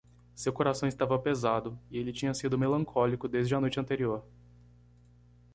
Seu coração estava pesado? e ele tinha sido melancólico desde a noite anterior.